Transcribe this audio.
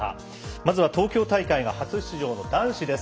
まずは東京大会が初出場の男子です。